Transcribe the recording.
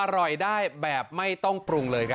อร่อยได้แบบไม่ต้องปรุงเลยครับ